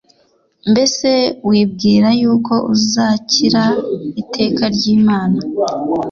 mbese wibwira yuko uzakira iteka ry’Imana,